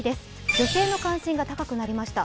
女性の関心が高くなりました。